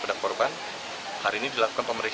jadi orang itu